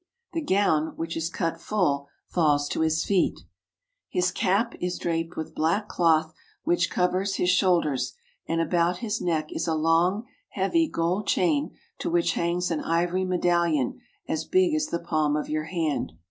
The gown, which is cut full, falls to his feet. His 103 THE HOLY LAND AND SYRIA cap is draped with black cloth which covers his shoul ders, and about his neck is a long, heavy gold chain to which hangs an ivory medallion as big as the palm of your hand.